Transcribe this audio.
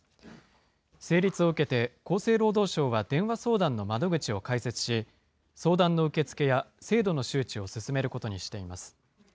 成立を受けて、厚生労働省は電話相談の窓口を開設し、相談の受け付けや、制度の周知を進めることにしています。